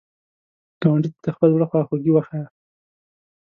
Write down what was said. ګاونډي ته د خپل زړه خواخوږي وښایه